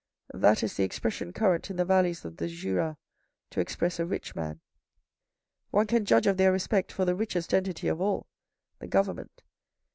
That is the expression current in the valleys of the Jura to express a rich man. One can judge of their respect for the richest entity of all — the government.